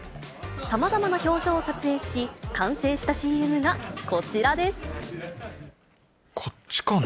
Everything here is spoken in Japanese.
さまざまな表情を撮影し、完成しこっちかな？